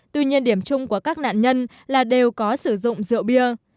tuy nhiên điểm chung của các nạn nhân là đều có sử dụng rượu bia